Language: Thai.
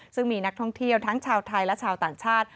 ซึ่งมีนักท่องเที่ยวทั้งชาวไทยและชาวต่างชาติ